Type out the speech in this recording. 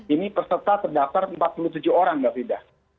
ini peserta terdakar empat puluh tujuh orang mbak fida